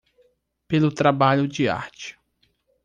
Pelo trabalho de arte